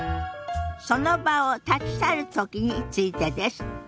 その場を立ち去るときについてです。